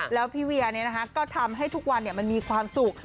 แล้วพี่เวียก็ทำให้ทุกวันมันมีความสุข